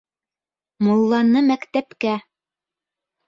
Мулланы мәктәпкә